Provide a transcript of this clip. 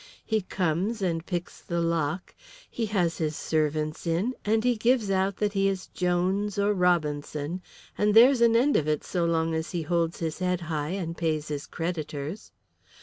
He comes and picks the lock, he has his servants in, and gives out that he is Jones or Robinson, and there's an end of it so long as he holds his head high and pays his creditors.